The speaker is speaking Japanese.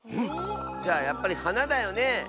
じゃあやっぱりはなだよね。